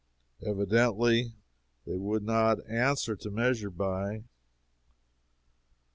Evidently they would not answer to measure by.